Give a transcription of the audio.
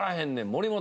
森本。